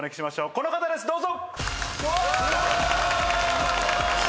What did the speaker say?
この方ですどうぞ！